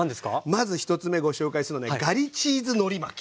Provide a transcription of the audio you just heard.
まず１つ目ご紹介するのねガリチーズのり巻き。